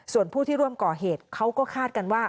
ส่วนผู้ที่ร่วมก่อเหตุเขาก็คาดกันว่า